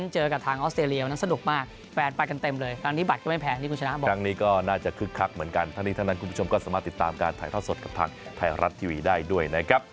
เจอกับทางออสเตรียวนั่นสนุกมากแฟนปรัดกันเต็มเลย